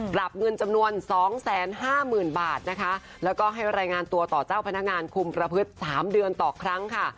กลับเงินจำนวนสองแสนห้าหมื่นบาทนะคะแล้วก็ให้รายงานตัวต่อเจ้าพนักงานคุมประพฤติ๓เดือนต่อครั้งค่ะ